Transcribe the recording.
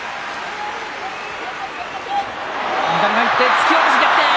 突き落とし、逆転。